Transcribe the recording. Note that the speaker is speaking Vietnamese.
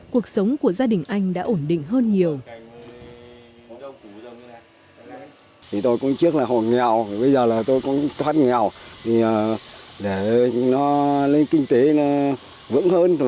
cuộc sống của gia đình anh đã ổn định hơn nhiều